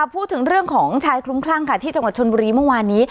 พูดถึงเรื่องของชายคลุ้มคลั่งค่ะที่จังหวัดชนบุรีเมื่อวานนี้